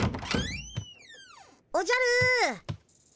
おじゃる。